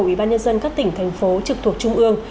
ủy ban nhân dân các tỉnh thành phố trực thuộc trung ương